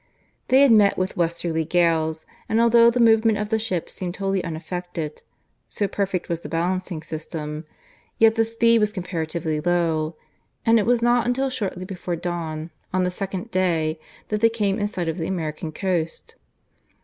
They had met with westerly gales, and although the movement of the ship seemed wholly unaffected (so perfect was the balancing system), yet the speed was comparatively low, and it was not until shortly before dawn on the second day that they came in sight of the American coast.